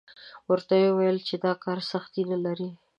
ورته ویل یې چې دا کار سختي نه لري.